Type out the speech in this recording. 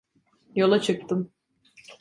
Yola çıktım.